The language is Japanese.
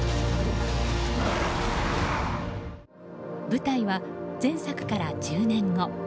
舞台は前作から１０年後。